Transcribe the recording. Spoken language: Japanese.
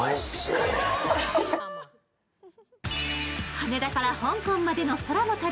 羽田から香港までの空の旅。